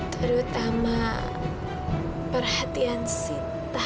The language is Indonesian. terutama perhatian sita